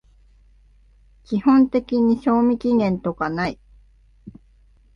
基本的に賞味期限とかない